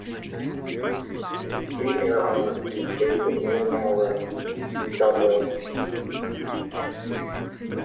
The Fleet Air Arm is based at near Nowra, New South Wales.